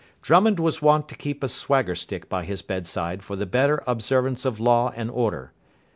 Drummond was wont to keep a swagger stick by his bedside for the better observance of law and order.